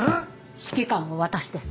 ⁉指揮官は私です。